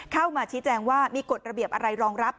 เข้ามาชี้แจงว่ามีกฎระเบียบอะไรรองรับ